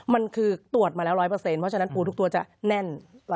มันคือตรวจมาแล้ว๑๐๐เพราะฉะนั้นปูทุกตัวจะแน่น